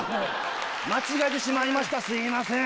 間違えてしまいましたすいません。